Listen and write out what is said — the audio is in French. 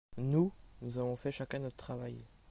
Nous, nous avons fait chacun notre travail.